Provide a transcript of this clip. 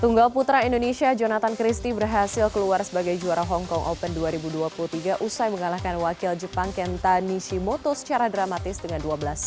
tunggal putra indonesia jonathan christie berhasil keluar sebagai juara hong kong open dua ribu dua puluh tiga usai mengalahkan wakil jepang kenta nishimoto secara dramatis dengan dua belas dua puluh satu dua dua dua puluh dua puluh satu delapan belas